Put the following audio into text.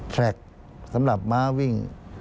แลกสำหรับม้าวิ่ง